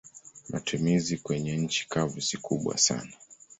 Matumizi kwenye nchi kavu si kubwa sana.